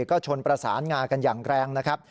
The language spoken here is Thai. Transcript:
ก็ชนประสานงากันอย่างแรงนะครับ